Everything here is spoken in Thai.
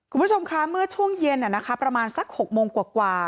คุณผู้ชมคะเมื่อช่วงเย็นเนี่ยนะครับประมาณสัก๖โมงกว่า